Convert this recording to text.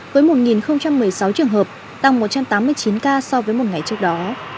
với một một mươi sáu trường hợp tăng một trăm tám mươi chín ca so với một ngày trước đó